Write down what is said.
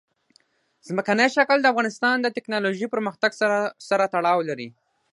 ځمکنی شکل د افغانستان د تکنالوژۍ پرمختګ سره تړاو لري.